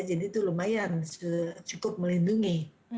jadi itu lumayan cukup melindungi